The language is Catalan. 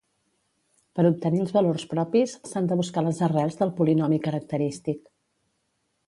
Per obtenir els valors propis, s'han de buscar les arrels del polinomi característic.